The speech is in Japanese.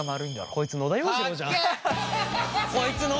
こいつ野田洋次郎じゃん。